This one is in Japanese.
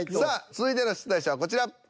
続いての出題者はこちら。